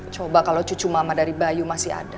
coba kalau cucu mama dari bayu masih ada